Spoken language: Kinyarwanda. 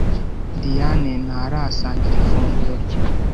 Diyane ntarasangira ifunguro rye.